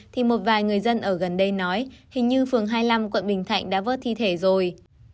thì một vài người dân ở gần đây nói hình như phường hai mươi năm quận bình thạnh đã vớt thi thể rồi